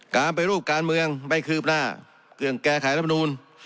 การไปรูปการเมืองไม่คืบหน้าเครื่องแก้ไขรับนูล